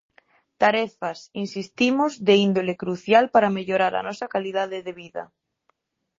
Tarefas, insistimos, de índole crucial para mellorar a nosa calidade de vida.